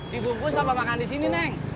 dibungkus sama makan di sini neng